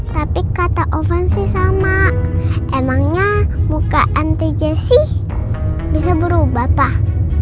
tapi kata ovan sih sama emangnya muka anti jessi bisa berubah pak